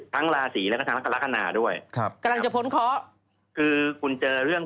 ราศีแล้วก็ทั้งกรกฎาด้วยครับกำลังจะพ้นเคาะคือคุณเจอเรื่อง